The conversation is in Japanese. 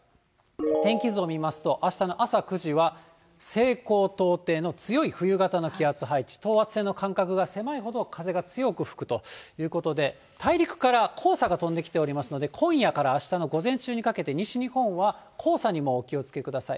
天気図を見ますと、あしたの朝９時は西高東低の強い冬型の気圧配置、等圧線の間隔が狭いほど、風が強く吹くということで、大陸から黄砂が飛んできておりますので、今夜からあしたの午前中にかけて、西日本は黄砂にもお気をつけください。